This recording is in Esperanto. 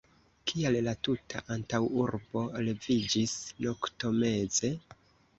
Kial la tuta antaŭurbo leviĝis noktomeze?